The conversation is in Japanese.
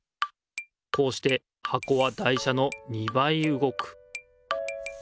こうしてはこは台車の２ばいうごく。